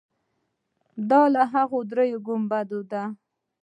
دا له هغو درېیو ګنبدونو ده.